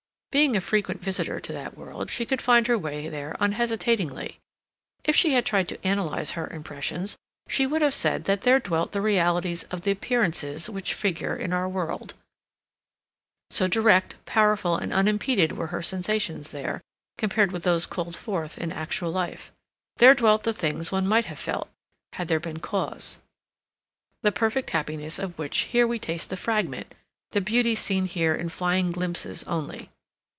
Being a frequent visitor to that world, she could find her way there unhesitatingly. If she had tried to analyze her impressions, she would have said that there dwelt the realities of the appearances which figure in our world; so direct, powerful, and unimpeded were her sensations there, compared with those called forth in actual life. There dwelt the things one might have felt, had there been cause; the perfect happiness of which here we taste the fragment; the beauty seen here in flying glimpses only.